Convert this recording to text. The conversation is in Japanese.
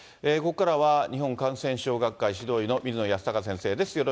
ここからは日本感染症学会指導医の水野泰孝先生です。